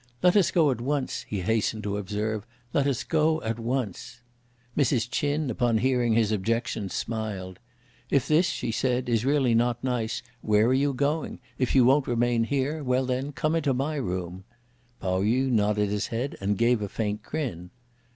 "Let us go at once," he hastened to observe, "let us go at once." Mrs. Ch'in upon hearing his objections smiled. "If this," she said, "is really not nice, where are you going? if you won't remain here, well then come into my room." Pao yü nodded his head and gave a faint grin.